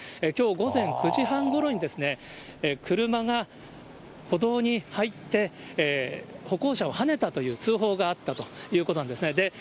きょう午前９時半ごろに、車が歩道に入って、歩行者をはねたという通報があったということなんですね。